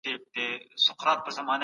میز څېړنه مه هېروئ.